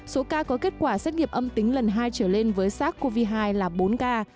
số ca có kết quả xét nghiệm âm tính lần hai trở lên với sars cov hai là bốn ca